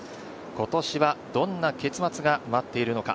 今年はどんな結末が待っているのか。